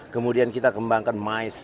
kemudian kita kembangkan mais